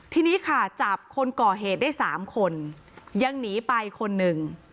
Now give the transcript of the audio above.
ทีนี้ค่ะจับคนก่อเหตุได้๓คนยังหนีไปคนหนึ่ง